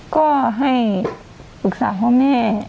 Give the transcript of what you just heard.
ก็ให้ปรึกษาพ่อแม่